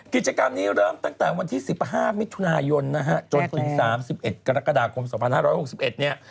กิจกรรมนี้เริ่มตั้งแต่วันที่๑๕มิถุนายนนะฮะจนถึง๓๑กรกฎาคม๒๕๖๑เนี่ย